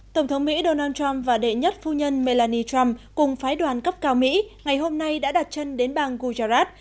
tổng thống mỹ donald trump và đệ nhất phu nhân melanie trump cùng phái đoàn cấp cao mỹ ngày hôm nay đã đặt chân đến bang gujarat